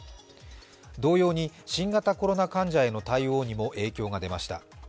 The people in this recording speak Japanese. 同様に、新型コロナ患者への対応にも影響が出ました。